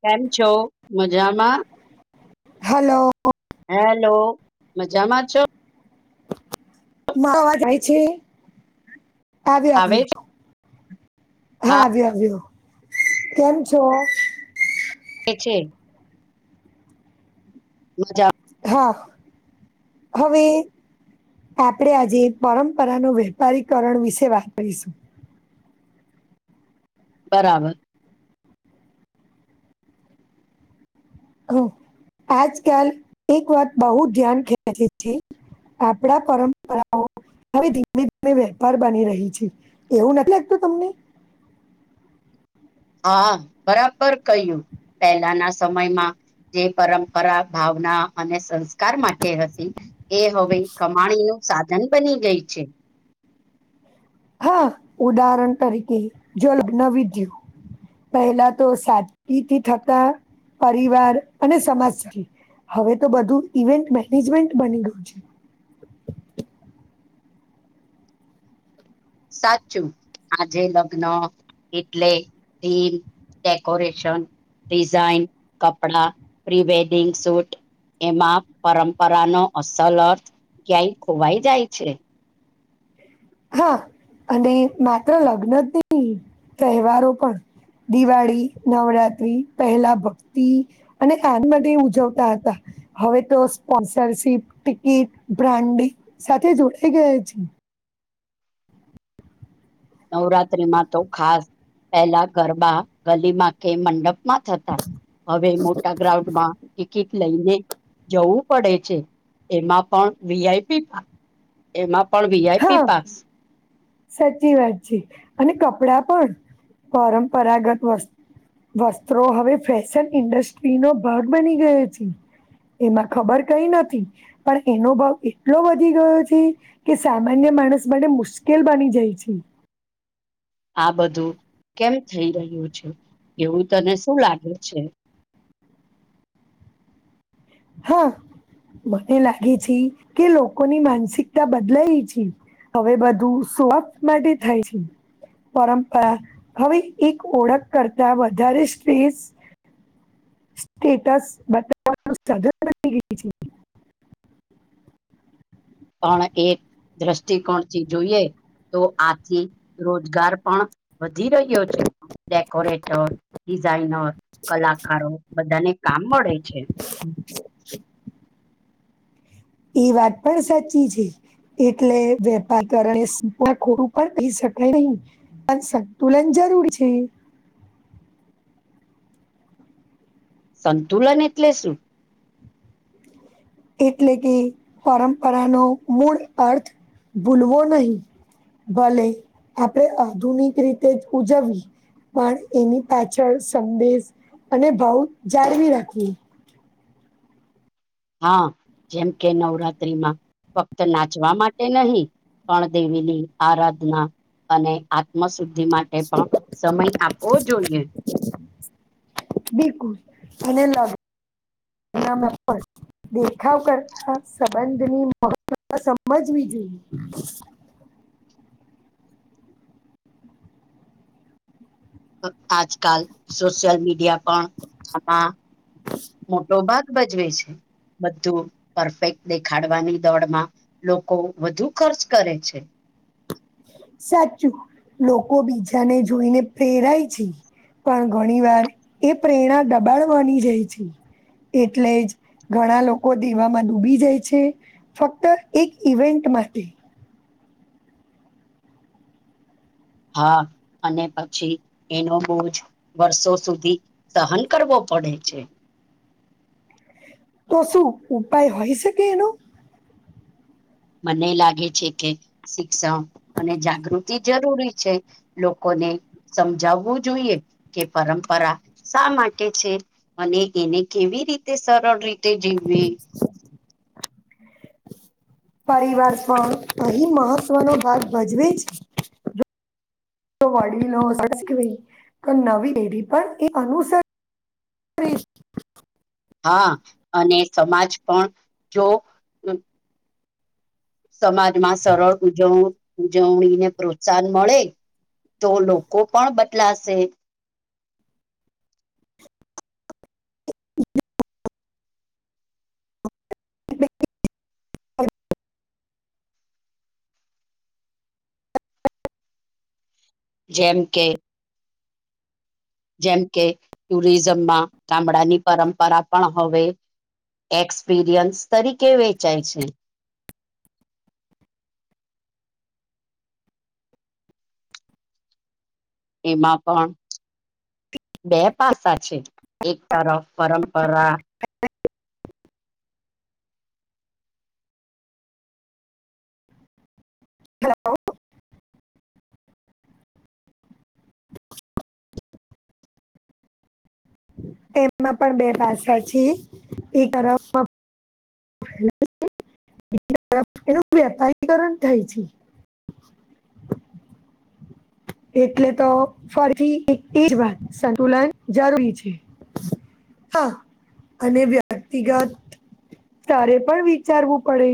કેમ છો મજામાં હલો હેલો મજામાં છો માવાજાય છે આવ્યો આવે આવ્યો છે હા વ્યો વ્યો્યો કેમ છો હ છે મજા હા હવે આપડણે આજે પરંપરાનું વેપારીકરણ વિશે વાત કરીશું બરાબર હ આજકાલ એક વાત બહુ ધ્યાન ખેંચે છે આપડા પરંપરાઓ હવે ધીમે ધીમે વેપાર બની રહી છે એવું નથી લાગતું તમને હા બરાબર કહ્યું પહેલાના સમયમાં જે પરંપરા ભાવના અને સંસ્ કાર માટે હતી એ હવે કમાણી નું સાધન બની ગઈ છે હા ઉદાહરણ તરીકે જોનવીધય્યું પહેલા તો સાચથી થતા પરિવાર અને સમાજથી હવે તો બધું ઇવેન્ટ મેનેજમેન્ટ બની ગયું છે સાચું આજે લગ્ન એટલે ીન ડેકોરેશન ડિઝઇન કપડા પ્રી વેડિંગ સૂટ એમાં પરંપરાનોો અસલ અર્થ ક્યાંય ખોવાઈ જાય છે હા અને માત્ર લગ્નની તહેવારો પણ દિવાળી નવરાત્રિ પહેલાં ભક્તિ અને કાન માટે ઉજવતા હતા હવે તો સ્પોન્સરશીપ ટિકિટ બ્રાન્ડ સાથે જોડાઈ ગયા છે નવરાત્રીમાં તો ખાસ પહેલા ગરબા ગલીમાં કે મંડપ માં થતા હવે મોટા ગ્રાઉન્ડ માં કિકિટ લઈને જવું પડે છે. એમાં પણ વીઆઈપી એમાં પણ વીઆઈપી હા પાસ સાચી વાત છે. અને કપડા પણ પરંપરાગત વસ્તુ વસ્ત્રો હવે ફેશન ઇન્ડસ્ટ્રીનોો ભાગ બની ગયો છે. એમાં ખબર કઈ નથી પણ એનો ભાવ એટલો વધી ગયો છે. કે સામાન્ય માણસ માટે મુશ્કેલ બની જાય છે. આ બધું કેમ થઈ રહ્યું છે એવું તને શું લાગે છે. હા મને લાગે છે. કે લોકોની માનસિકતા બદલાય છે. હવે બધું સોપ માટે થાય છે. પરંપરા હવે, એક ઓળખ કરતા વધારે સ્ટ્રીઝ સ્ટેટસ બતાવાનું સઘન બની ગય છે. પણ એક દ્રષ્ટિકોણથી જોઈએ તો આથી રોજગાર પણ વધી રહ્યો છે, ડેકોરેટર ડિઝાઇનર કલાકારો બધાને કામ મળે છે. હમ્મ એ વાત પણ સાચી છે. એટલે વેપાર કરને સ ખોડું પણ થઈ શકાય નહી અને સ તુલન જરૂરી છે. સંતુલન એટલે શું એટલે કે પરંપરાનો મૂળ અર્થ ભૂલવો નહી ભલે આપણેે આધુનિક રીતે જ ઉજવવી પણ એની પાછળ સંદેશ અને ભાવ જાળવી રાખવું હા, જેમ કે નવરાત્રીમાં ફક્ત નાચવા માટે નહી. પણણદેવીની આરાધના અને આત્મ શુદ્ધિ માટે પણ સમય આપવો જોઈએ બિલકુલ મને લાગે દેખાવ કરતા સંબંધની મહત્વતા સમજવી જોઈએ આજકાલ સોશિયલ મીડિયા પણ આમાં મોટો ભાગ ભજવે છે. બધું પરફેક્ટ દેખાડવાની દોડમાં લોકો વધુ ખર્ચ કરે છે. સાચું લોકો બીજાને જોઈને પ્રેરાય છે. પણ ઘણી વાર એ પ્રેરણા દબાણ માની જાય છે. એટલે જ ઘણા લોકો દેવામાં ડૂબી જાય છે. ફક્ત એક ઈવેન્ટ માસ્તી હા અને પછી એનો બોજ વર્ષો સુધી સહન કરવો પડે છે. તો શું ઉપાય હોય શકે એનો મને લાગે છે કે શિક્ષણ અને જાગૃતિ જરૂરી છે. લોકોને સમજાવવું જોઈએ કે પરંપરા શા માટે છે. અને એને કેવી રીતે સરળ રીતે જીવીવી પરિવાર પણ અહીં મહત્વનોો ભાગ ભજવેજ વડીલો તો નવી એેરી પર અનુસર હા, અને સમાજ પણ જો સમાજમાં સરળ ઉજવ ઉજવણી ને પ્રોત્સાહન મળે તો લોકો પણ બદલાશે જેમ કે જેમ કે ટુરિઝમમાં ગામડાની પરંપરા પણ હવે એક્સપિરિયન્સ તરીકે વેચાય છે. એમાં પણ બે પાસા છે એક તરફ પરંપરા [inaudible] હલો! એમાં પણ બે ભાષા છે એ તરફ એનું વેપારીકરણ થાય છે. એટલે તો ફરીથી એ જ વાત સંતુલન જરૂરી છે. હા અને વ્યક્તિગત તારે પણ વિચારવું પડે.